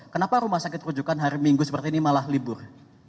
kenapa rumah sakit rujukan hari minggu seperti ini malah libur